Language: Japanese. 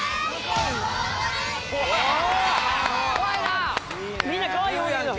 怖いな！